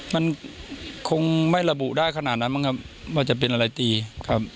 มันคงไม่ระบุได้ขนาดนั้นมั้งครับว่าจะเป็นอะไรตีครับ